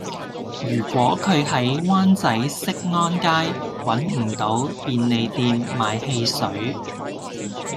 如果佢喺灣仔適安街搵唔到便利店買汽水